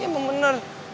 ya emang bener